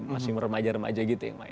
masih remaja remaja gitu yang main